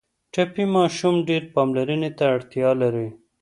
ټپي ماشوم ډېر پاملرنې ته اړتیا لري.